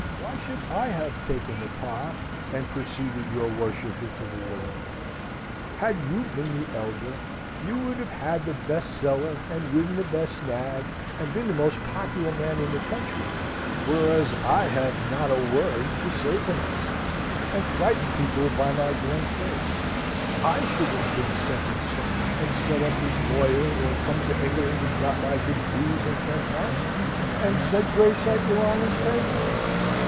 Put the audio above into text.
Why should I have taken the pas, and preceded your worship into the world? Had you been the eider, you would have had the best cellar, and ridden the best nag, and been the most popular man in the country, whereas I have not a word to say for myself, and frighten people by my glum face: I should have been second son, and set up as lawyer, or come to England and got my degrees, and turned parson, and said grace at your honour's table.